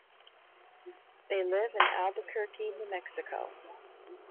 They live in Albuquerque, New Mexico.